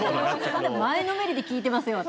前のめりで聞いてますよ、私。